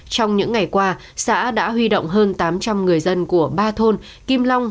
trong những ngày qua xã đã huy động hơn tám trăm linh người dân của ba thôn kim long